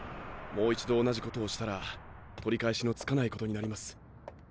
もう一度同じことをしたら取り返しのつかないことになります。